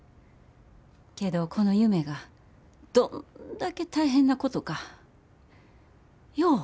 けどこの夢がどんだけ大変なことかよう分かった。